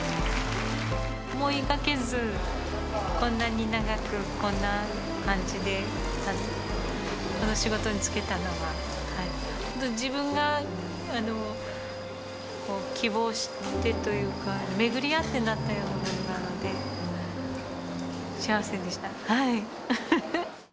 思いがけずこんなに長くこんな感じで、この仕事に就けたのは、自分が希望してというか、巡り合ってなったようなものなので、幸せでした。